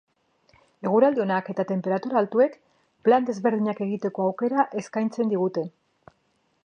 Eguraldi onak eta tenperatura altuek plan desberdinak egiteko aukera eskaintzen digute.